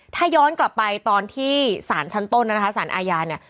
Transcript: ถ้าย้อนกลับไปตอนที่สารชั้นต้นนะคะสารอาญาเนี่ย